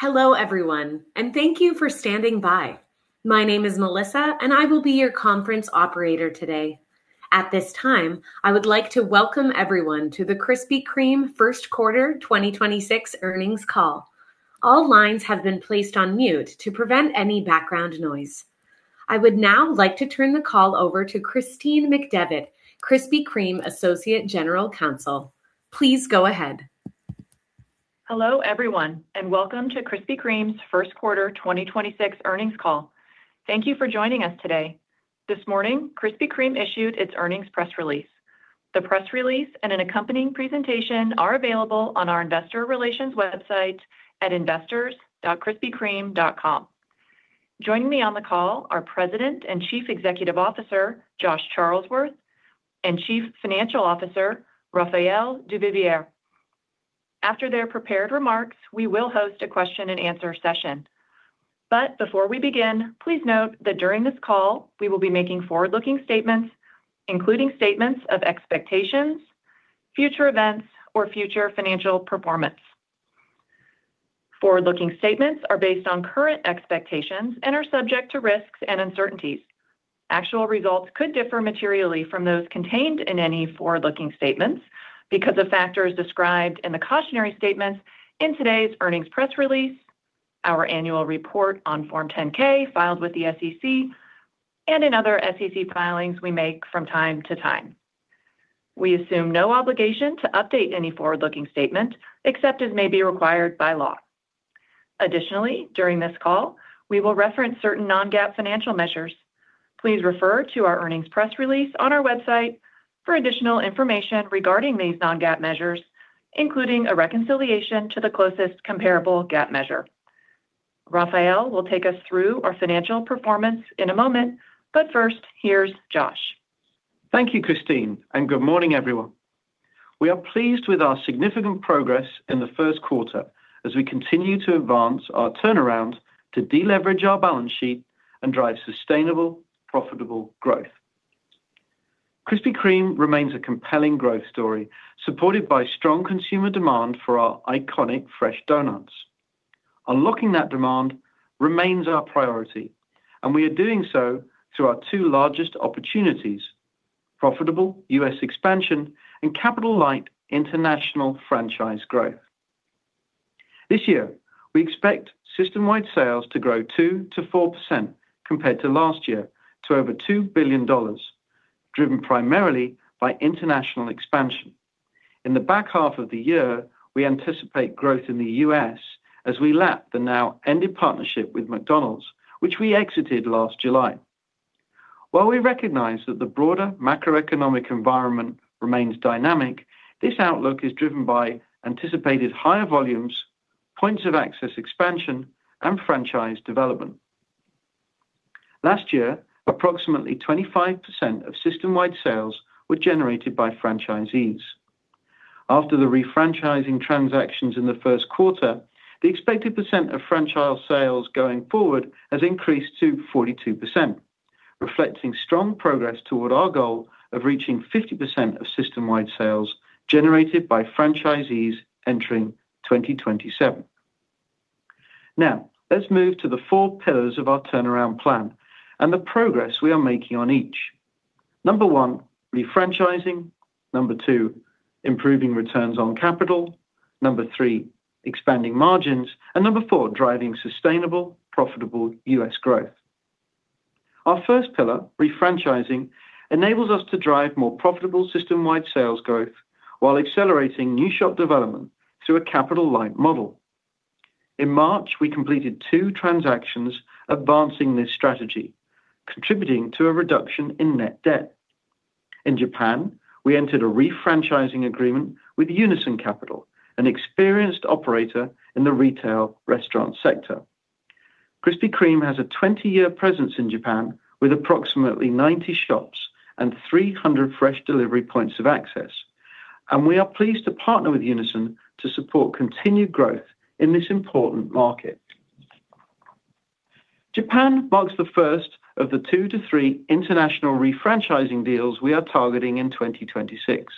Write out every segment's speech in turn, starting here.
Hello, everyone, and thank you for standing by. My name is Melissa, and I will be your conference operator today. At this time, I would like to welcome everyone to the Krispy Kreme First Quarter 2026 earnings call. All lines have been placed on mute to prevent any background noise. I would now like to turn the call over to Christine McDevitt, Krispy Kreme Associate General Counsel. Please go ahead. Hello, everyone, and welcome to Krispy Kreme's 1st quarter 2026 earnings call. Thank you for joining us today. This morning, Krispy Kreme issued its earnings press release. The press release and an accompanying presentation are available on our investor relations website at investors.krispykreme.com. Joining me on the call are President and Chief Executive Officer, Josh Charlesworth, and Chief Financial Officer, Raphael Duvivier. After their prepared remarks, we will host a question and answer session. Before we begin, please note that during this call, we will be making forward-looking statements, including statements of expectations, future events, or future financial performance. Forward-looking statements are based on current expectations and are subject to risks and uncertainties. Actual results could differ materially from those contained in any forward-looking statements because of factors described in the cautionary statements in today's earnings press release, our annual report on Form 10-K filed with the SEC, and in other SEC filings we make from time to time. We assume no obligation to update any forward-looking statement except as may be required by law. During this call, we will reference certain non-GAAP financial measures. Please refer to our earnings press release on our website for additional information regarding these non-GAAP measures, including a reconciliation to the closest comparable GAAP measure. Raphael will take us through our financial performance in a moment, but first, here's Josh. Thank you, Christine, and good morning, everyone. We are pleased with our significant progress in the first quarter as we continue to advance our turnaround to deleverage our balance sheet and drive sustainable, profitable growth. Krispy Kreme remains a compelling growth story, supported by strong consumer demand for our iconic fresh doughnuts. Unlocking that demand remains our priority, and we are doing so through our two largest opportunities, profitable U.S. expansion and capital-light international franchise growth. This year, we expect system-wide sales to grow 2%-4% compared to last year, to over $2 billion, driven primarily by international expansion. In the back half of the year, we anticipate growth in the U.S. as we lap the now-ended partnership with McDonald's, which we exited last July. While we recognize that the broader macroeconomic environment remains dynamic, this outlook is driven by anticipated higher volumes, points of access expansion, and franchise development. Last year, approximately 25% of system-wide sales were generated by franchisees. After the refranchising transactions in the first quarter, the expected percent of franchise sales going forward has increased to 42%, reflecting strong progress toward our goal of reaching 50% of system-wide sales generated by franchisees entering 2027. Let's move to the four pillars of our turnaround plan and the progress we are making on each. Number one, Refranchising. Number two, Improving returns on capital. Number three, Expanding margins. Number four, Driving sustainable, profitable U.S. growth. Our first pillar, refranchising, enables us to drive more profitable system-wide sales growth while accelerating new shop development through a capital-light model. In March, we completed two transactions advancing this strategy, contributing to a reduction in net debt. In Japan, we entered a refranchising agreement with Unison Capital, an experienced operator in the retail restaurant sector. Krispy Kreme has a 20-year presence in Japan with approximately 90 shops and 300 fresh delivery points of access, and we are pleased to partner with Unison to support continued growth in this important market. Japan marks the first of the 2-3 international refranchising deals we are targeting in 2026.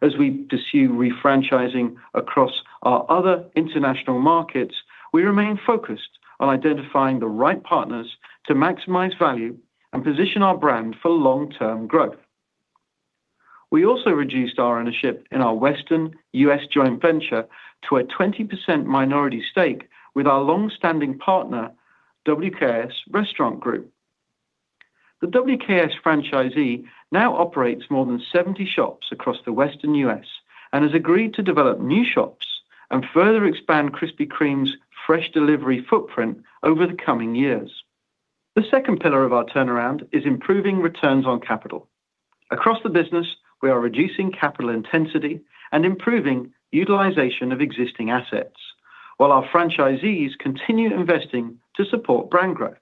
As we pursue refranchising across our other international markets, we remain focused on identifying the right partners to maximize value and position our brand for long-term growth. We also reduced our ownership in our Western U.S. joint venture to a 20% minority stake with our long-standing partner, WKS Restaurant Group. The WKS franchisee now operates more than 70 shops across the Western U.S. and has agreed to develop new shops and further expand Krispy Kreme's fresh delivery footprint over the coming years. The second pillar of our turnaround is improving returns on capital. Across the business, we are reducing capital intensity and improving utilization of existing assets while our franchisees continue investing to support brand growth.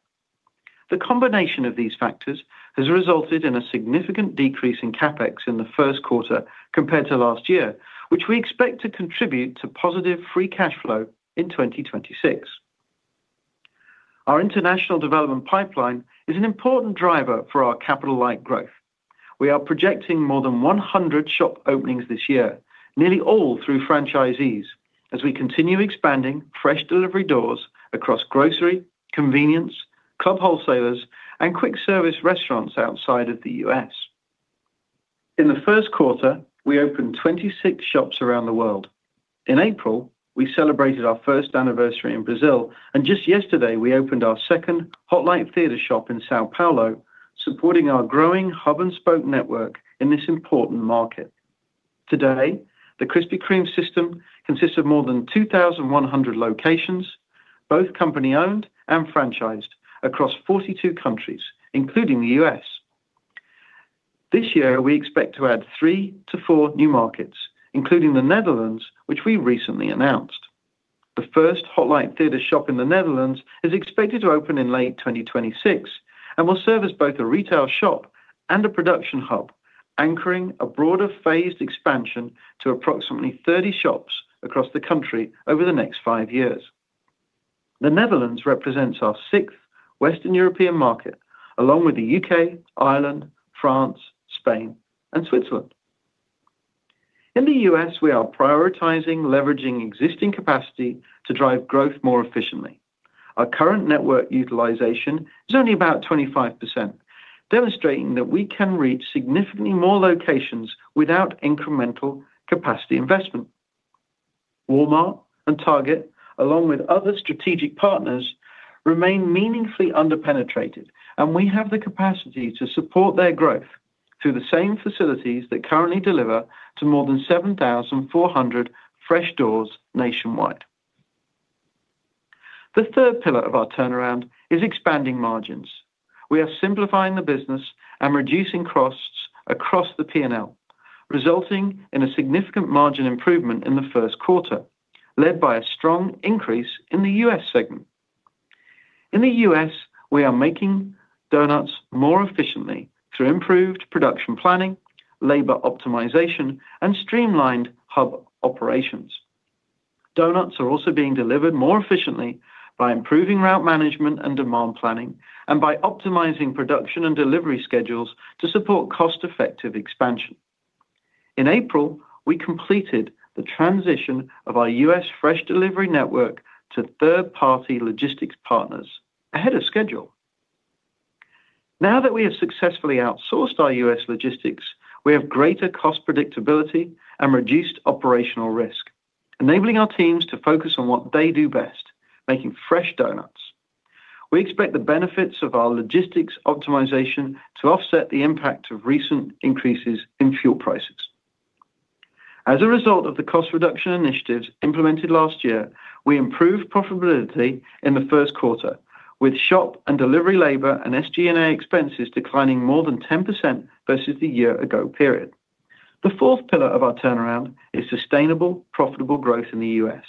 The combination of these factors has resulted in a significant decrease in CapEx in the first quarter compared to last year, which we expect to contribute to positive free cash flow in 2026. Our international development pipeline is an important driver for our capital-light growth. We are projecting more than 100 shop openings this year, nearly all through franchisees, as we continue expanding fresh delivery doors across grocery, convenience, club wholesalers, and quick service restaurants outside of the U.S. In the first quarter, we opened 26 shops around the world. In April, we celebrated our first anniversary in Brazil, and just yesterday, we opened our second Hot Light Theater shop in São Paulo, supporting our growing hub and spoke network in this important market. Today, the Krispy Kreme system consists of more than 2,100 locations, both company owned and franchised, across 42 countries, including the U.S. this year, we expect to add three to four new markets, including the Netherlands, which we recently announced. The first Hot Light Theater shop in the Netherlands is expected to open in late 2026 and will serve as both a retail shop and a production hub, anchoring a broader phased expansion to approximately 30 shops across the country over the next five years. The Netherlands represents our sixth Western European market, along with the U.K., Ireland, France, Spain, and Switzerland. In the U.S., we are prioritizing leveraging existing capacity to drive growth more efficiently. Our current network utilization is only about 25%, demonstrating that we can reach significantly more locations without incremental capacity investment. Walmart and Target, along with other strategic partners, remain meaningfully under-penetrated, and we have the capacity to support their growth through the same facilities that currently deliver to more than 7,400 fresh doors nationwide. The third pillar of our turnaround is expanding margins. We are simplifying the business and reducing costs across the P&L, resulting in a significant margin improvement in the first quarter, led by a strong increase in the U.S. segment. In the U.S., we are making doughnuts more efficiently through improved production planning, labor optimization, and streamlined hub operations. Doughnuts are also being delivered more efficiently by improving route management and demand planning, by optimizing production and delivery schedules to support cost-effective expansion. In April, we completed the transition of our U.S. fresh delivery network to third-party logistics partners ahead of schedule. Now that we have successfully outsourced our U.S. logistics, we have greater cost predictability and reduced operational risk, enabling our teams to focus on what they do best, making fresh doughnuts. We expect the benefits of our logistics optimization to offset the impact of recent increases in fuel prices. As a result of the cost reduction initiatives implemented last year, we improved profitability in the first quarter with shop and delivery labor and SG&A expenses declining more than 10% versus the year ago period. The fourth pillar of our turnaround is sustainable, profitable growth in the U.S.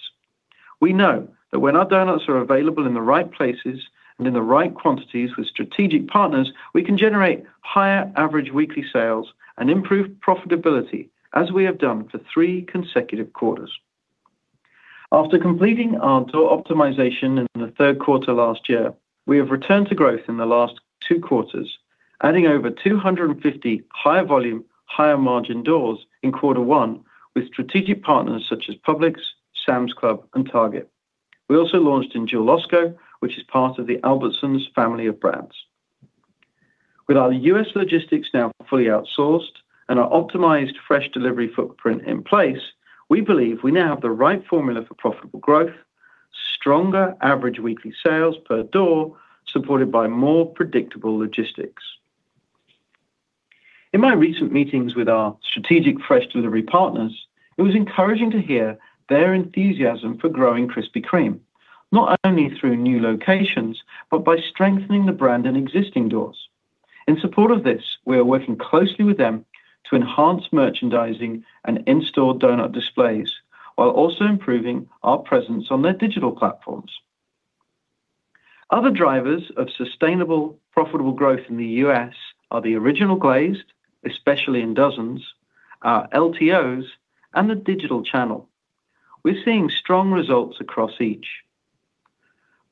We know that when our doughnuts are available in the right places and in the right quantities with strategic partners, we can generate higher average weekly sales and improve profitability as we have done for three consecutive quarters. After completing our door optimization in the third quarter last year, we have returned to growth in the last two quarters, adding over 250 higher volume, higher margin doors in quarter one with strategic partners such as Publix, Sam's Club, and Target. We also launched in Jewel-Osco, which is part of the Albertsons family of brands. With our U.S. logistics now fully outsourced and our optimized fresh delivery footprint in place, we believe we now have the right formula for profitable growth, stronger average weekly sales per door, supported by more predictable logistics. In my recent meetings with our strategic fresh delivery partners, it was encouraging to hear their enthusiasm for growing Krispy Kreme, not only through new locations, but by strengthening the brand in existing doors. In support of this, we are working closely with them to enhance merchandising and in-store doughnut displays while also improving our presence on their digital platforms. Other drivers of sustainable, profitable growth in the U.S. are the Original Glazed, especially in dozens, our LTOs, and the digital channel. We're seeing strong results across each.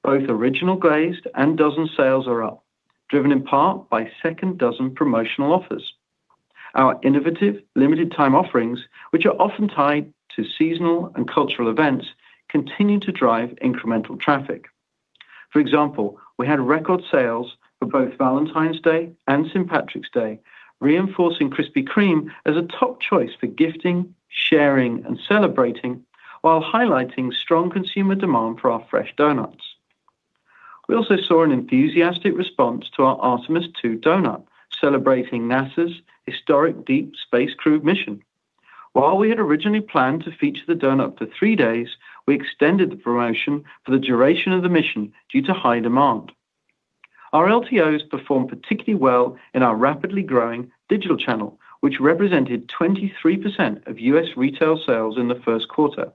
Both Original Glazed and dozen sales are up, driven in part by second dozen promotional offers. Our innovative limited time offerings, which are often tied to seasonal and cultural events, continue to drive incremental traffic. For example, we had record sales for both Valentine's Day and St. Patrick's Day, reinforcing Krispy Kreme as a top choice for gifting, sharing, and celebrating while highlighting strong consumer demand for our fresh doughnuts. We also saw an enthusiastic response to our Artemis II Doughnut, celebrating NASA's historic deep space crew mission. While we had originally planned to feature the doughnut for three days, we extended the promotion for the duration of the mission due to high demand. Our LTOs performed particularly well in our rapidly growing digital channel, which represented 23% of U.S. retail sales in the first quarter.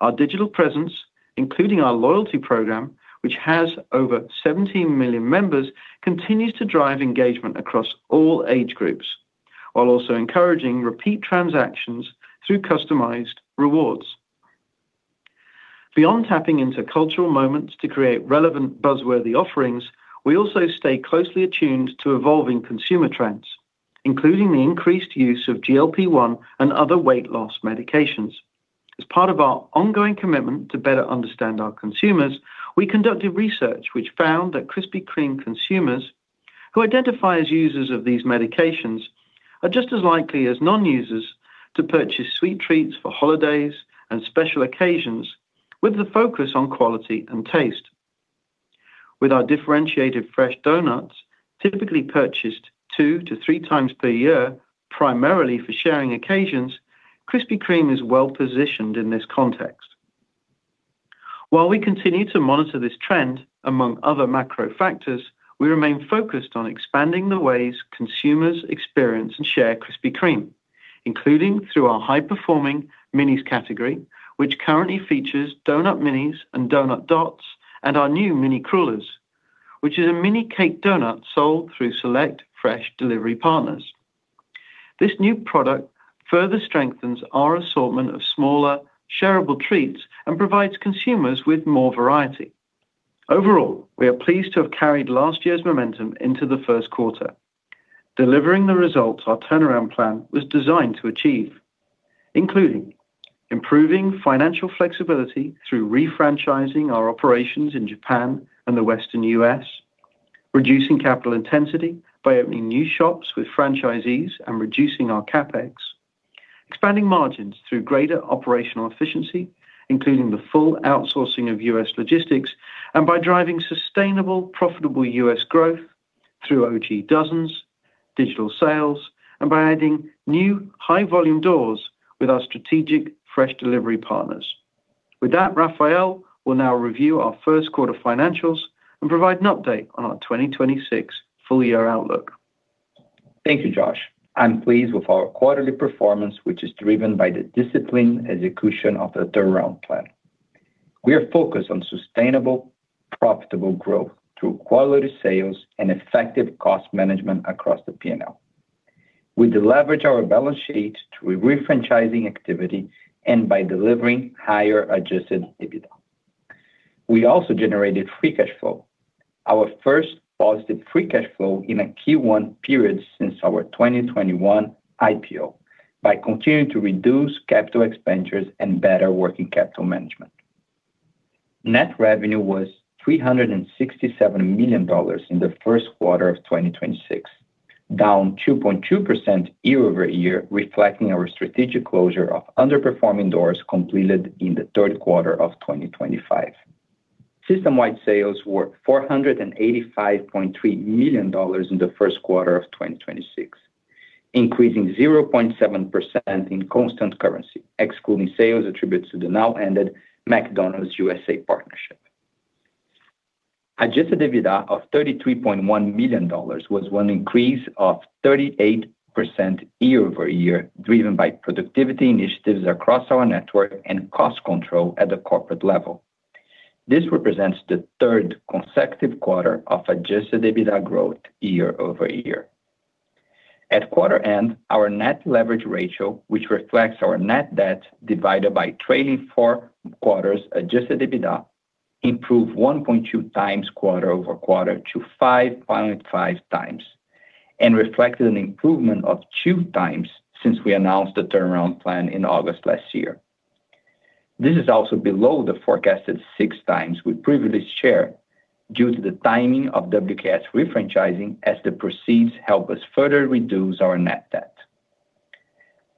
Our digital presence, including our loyalty program, which has over 17 million members, continues to drive engagement across all age groups, while also encouraging repeat transactions through customized rewards. Beyond tapping into cultural moments to create relevant buzzworthy offerings, we also stay closely attuned to evolving consumer trends, including the increased use of GLP-1 and other weight loss medications. As part of our ongoing commitment to better understand our consumers, we conducted research which found that Krispy Kreme consumers who identify as users of these medications are just as likely as non-users to purchase sweet treats for holidays and special occasions, with the focus on quality and taste. With our differentiated fresh doughnuts typically purchased two to three times per year, primarily for sharing occasions, Krispy Kreme is well positioned in this context. While we continue to monitor this trend among other macro factors, we remain focused on expanding the ways consumers experience and share Krispy Kreme, including through our high performing Minis category, which currently features Doughnut Minis and Doughnut Dots, and our new Mini Crullers, which is a mini cake doughnut sold through select fresh delivery partners. This new product further strengthens our assortment of smaller shareable treats and provides consumers with more variety. Overall, we are pleased to have carried last year's momentum into the first quarter, delivering the results our turnaround plan was designed to achieve, including improving financial flexibility through re-franchising our operations in Japan and the Western U.S., reducing capital intensity by opening new shops with franchisees and reducing our CapEx, expanding margins through greater operational efficiency, including the full outsourcing of U.S. logistics, and by driving sustainable profitable U.S. growth through OG dozens, digital sales, and by adding new high volume doors with our strategic fresh delivery partners. With that, Raphael will now review our first quarter financials and provide an update on our 2026 full year outlook. Thank you, Josh. I'm pleased with our quarterly performance, which is driven by the disciplined execution of the turnaround plan. We are focused on sustainable profitable growth through quality sales and effective cost management across the P&L. We deleverage our balance sheet through re-franchising activity and by delivering higher Adjusted EBITDA. We also generated free cash flow, our first positive free cash flow in a Q1 period since our 2021 IPO by continuing to reduce capital expenditures and better working capital management. Net revenue was $367 million in the first quarter of 2026, down 2.2% year-over-year, reflecting our strategic closure of underperforming doors completed in the third quarter of 2025. System-wide sales were $485.3 million in the first quarter of 2026, increasing 0.7% in constant currency, excluding sales attributed to the now ended McDonald's USA partnership. Adjusted EBITDA of $33.1 million was an increase of 38% year-over-year, driven by productivity initiatives across our network and cost control at the corporate level. This represents the third consecutive quarter of Adjusted EBITDA growth year-over-year. At quarter end, our net leverage ratio, which reflects our net debt divided by trailing four quarters Adjusted EBITDA, improved 1.2x quarter-over-quarter to 5.5x, and reflected an improvement of 2x since we announced the turnaround plan in August last year. This is also below the forecasted 6x we previously shared due to the timing of WKS re-franchising as the proceeds help us further reduce our net debt.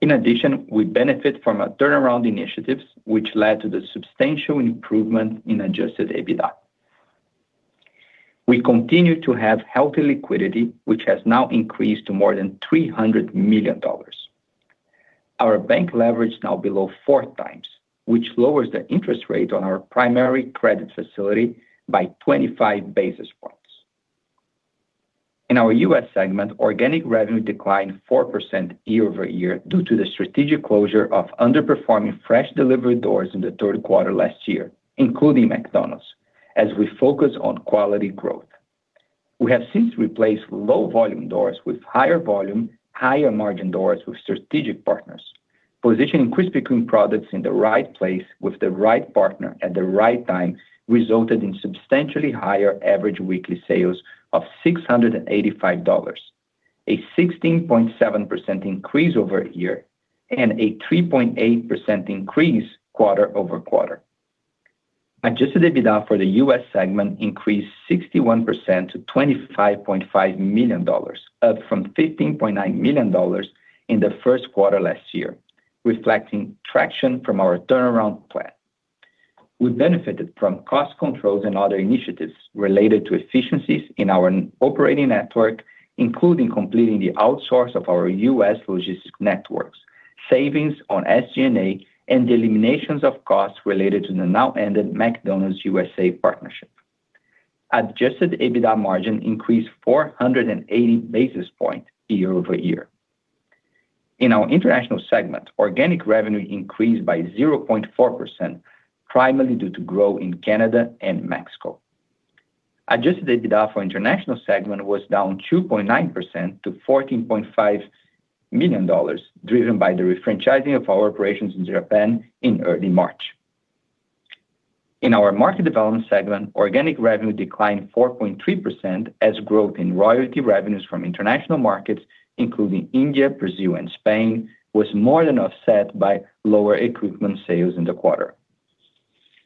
In addition, we benefit from our turnaround initiatives which led to the substantial improvement in Adjusted EBITDA. We continue to have healthy liquidity, which has now increased to more than $300 million. Our bank leverage now below 4x, which lowers the interest rate on our primary credit facility by 25 basis points. In our U.S. segment, organic revenue declined 4% year-over-year due to the strategic closure of underperforming fresh delivery doors in the third quarter last year, including McDonald's as we focus on quality growth. We have since replaced low volume doors with higher volume, higher margin doors with strategic partners. Positioning Krispy Kreme products in the right place with the right partner at the right time resulted in substantially higher average weekly sales of $685, a 16.7% increase year-over-year and a 3.8% increase quarter-over-quarter. Adjusted EBITDA for the U.S. segment increased 61% to $25.5 million, up from $15.9 million in the first quarter last year, reflecting traction from our turnaround plan. We benefited from cost controls and other initiatives related to efficiencies in our operating network, including completing the outsource of our U.S. logistic networks, savings on SG&A, and the eliminations of costs related to the now ended McDonald's USA partnership. Adjusted EBITDA margin increased 480 basis points year-over-year. In our International segment, organic revenue increased by 0.4%, primarily due to growth in Canada and Mexico. Adjusted EBITDA for International segment was down 2.9% to $14.5 million, driven by the refranchising of our operations in Japan in early March. In our Market Development segment, organic revenue declined 4.3% as growth in royalty revenues from international markets, including India, Brazil, and Spain, was more than offset by lower equipment sales in the quarter.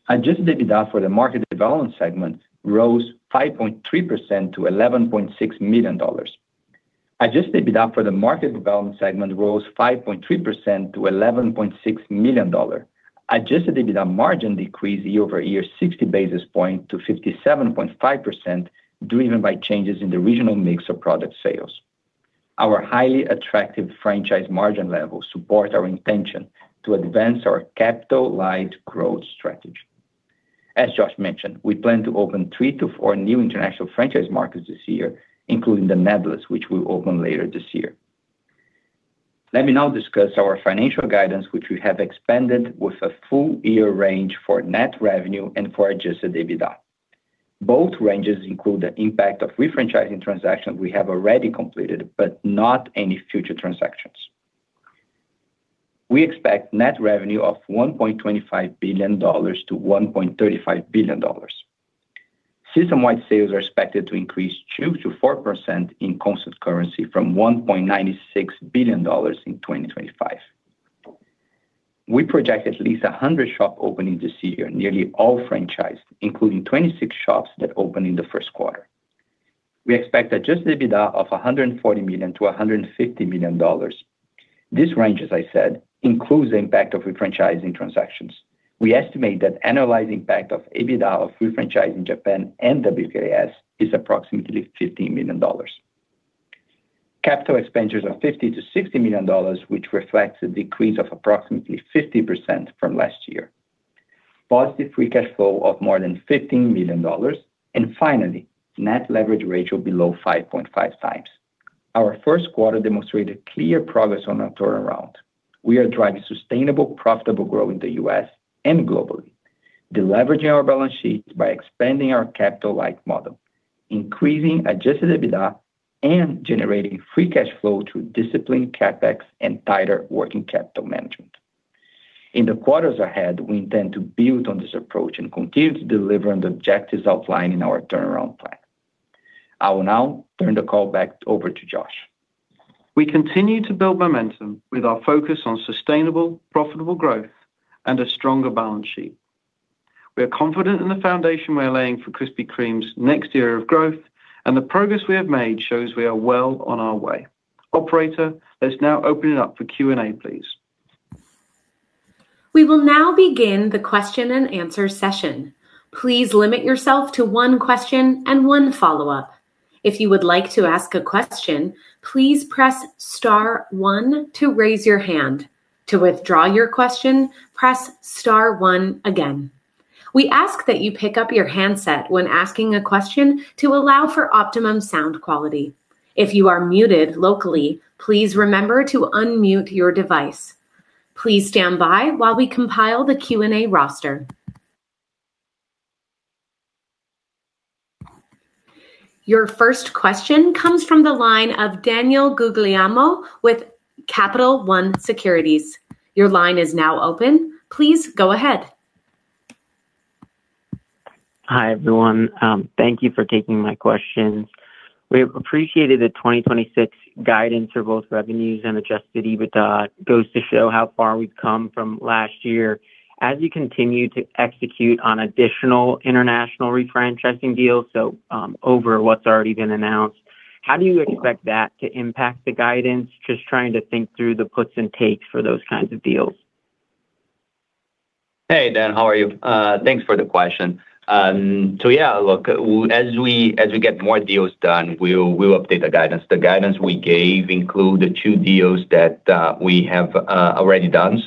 Adjusted EBITDA for the Market Development segment rose 5.3% to $11.6 million. Adjusted EBITDA margin decreased year-over-year 60 basis points to 57.5%, driven by changes in the regional mix of product sales. Our highly attractive franchise margin levels support our intention to advance our capital light growth strategy. As Josh mentioned, we plan to open three-four new international franchise markets this year, including the Netherlands, which will open later this year. Let me now discuss our financial guidance, which we have expanded with a full year range for net revenue and for Adjusted EBITDA. Both ranges include the impact of refranchising transactions we have already completed, but not any future transactions. We expect net revenue of $1.25 billion-$1.35 billion. System-wide sales are expected to increase 2%-4% in constant currency from $1.96 billion in 2025. We project at least 100 shop openings this year, nearly all franchised, including 26 shops that opened in the first quarter. We expect Adjusted EBITDA of $140 million-$150 million. This range, as I said, includes the impact of refranchising transactions. We estimate that annualized impact of EBITDA of refranchising Japan and WKS is approximately $15 million. Capital expenditures of $50 million-$60 million, which reflects a decrease of approximately 50% from last year. Positive free cash flow of more than $15 million. Finally, net leverage ratio below 5.5x. Our first quarter demonstrated clear progress on our turnaround. We are driving sustainable, profitable growth in the U.S. and globally, deleveraging our balance sheets by expanding our capital light model, increasing Adjusted EBITDA, and generating free cash flow through disciplined CapEx and tighter working capital management. In the quarters ahead, we intend to build on this approach and continue to deliver on the objectives outlined in our turnaround plan. I will now turn the call back over to Josh. We continue to build momentum with our focus on sustainable, profitable growth and a stronger balance sheet. We are confident in the foundation we are laying for Krispy Kreme's next era of growth, and the progress we have made shows we are well on our way. Operator, let's now open it up for Q&A, please. We will now begin the question and answer session. Please limit yourself to one question and one follow-up. If you would like to ask a question, please press star one to raise your hand. To withdraw your question, press star one again. We ask that you pick up your handset when asking a question to allow for optimum sound quality. If you are muted locally, please remember to unmute your device. Please stand by while we compile the Q&A roster. Your first question comes from the line of Daniel Guglielmo with Capital One Securities. Your line is now open. Please go ahead. Hi, everyone. Thank you for taking my questions. We appreciated the 2026 guidance for both revenues and Adjusted EBITDA. Goes to show how far we've come from last year. As you continue to execute on additional international refranchising deals, over what's already been announced, how do you expect that to impact the guidance? Just trying to think through the puts and takes for those kinds of deals. Hey, Dan, how are you? Thanks for the question. Yeah, look, as we get more deals done, we'll update the guidance. The guidance we gave include the two deals that we have already done,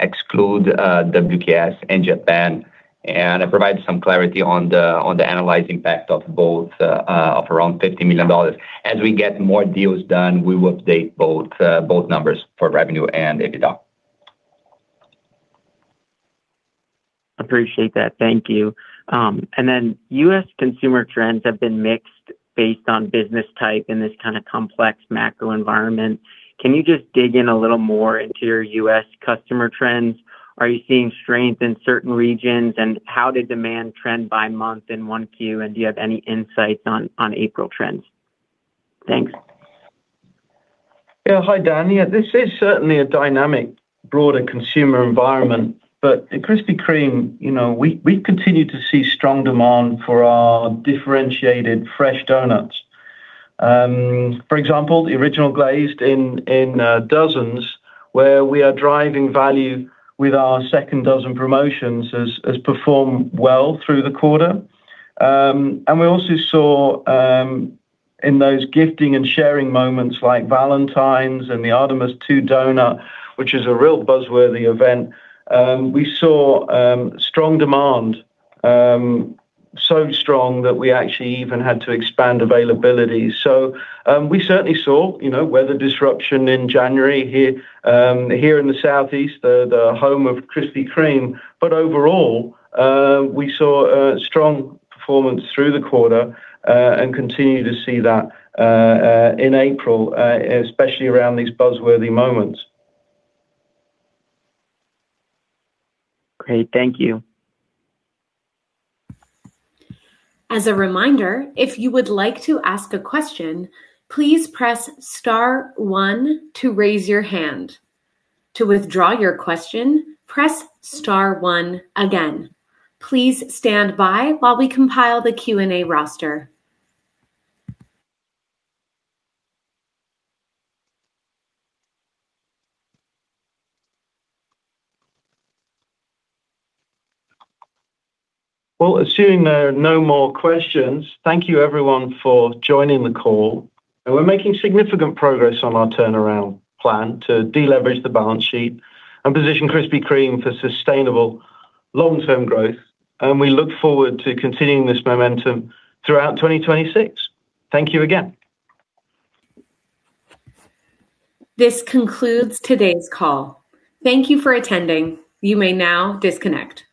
exclude WKS and Japan, and it provides some clarity on the annualyzed impact of both of around $50 million. As we get more deals done, we will update both numbers for revenue and EBITDA. Appreciate that. Thank you. U.S. consumer trends have been mixed based on business type in this kind of complex macro environment. Can you just dig in a little more into your U.S. customer trends? Are you seeing strength in certain regions, how did demand trend by month in 1Q, do you have any insights on April trends? Thanks. Hi, Dan. This is certainly a dynamic, broader consumer environment, but at Krispy Kreme, you know, we continue to see strong demand for our differentiated fresh doughnuts. For example, the Original Glazed in dozens where we are driving value with our second dozen promotions has performed well through the quarter. And we also saw in those gifting and sharing moments like Valentine's and the Artemis II Doughnut, which is a real buzzworthy event, we saw strong demand. Strong that we actually even had to expand availability. We certainly saw, you know, weather disruption in January here in the southeast, the home of Krispy Kreme, but overall, we saw a strong performance through the quarter and continue to see that in April, especially around these buzzworthy moments. Great. Thank you. As a reminder, if you would like to ask a question, please press star one to raise your hand. To withdraw your question, press star one again. Please stand by while we compile the Q&A roster. Well, assuming there are no more questions, thank you everyone for joining the call. We're making significant progress on our turnaround plan to deleverage the balance sheet and position Krispy Kreme for sustainable long-term growth, and we look forward to continuing this momentum throughout 2026. Thank you again. This concludes today's call. Thank you for attending. You may now disconnect.